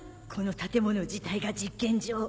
この建物自体が実験場。